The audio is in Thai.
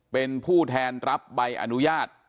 เป็นผู้แทนรับใบอนุญาต